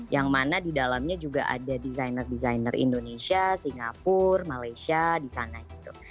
yang mana didalamnya juga ada designer designer indonesia singapura malaysia disana gitu